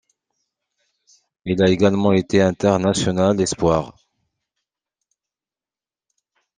Il a également été international espoirs.